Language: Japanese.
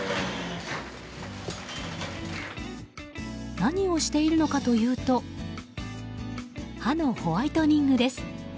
何をしているのかというと歯のホワイトニングです。